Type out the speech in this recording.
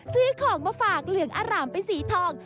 ซื้อของมาฝากเหลืองอร่ามเป็นสีทอง